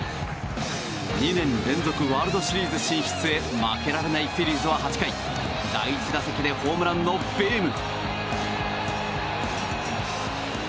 ２年連続ワールドシリーズ進出へ負けられないフィリーズは８回第１打席でホームランのベーム。